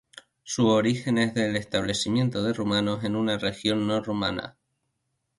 Su origen es del establecimiento de rumanos en una región no rumana.